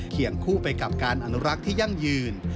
คู่ไปกับการอนุรักษ์ที่ยั่งยืน